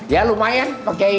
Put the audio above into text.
ya lumayan pakai